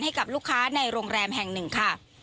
ให้กับลูกค้าในโรงแรมแห่งหนึ่งค่ะ